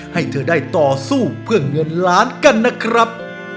ให้เธอได้ต่อสู้เพื่อเงินล้านกันนะครับ